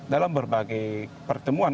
dalam berbagai pertemuan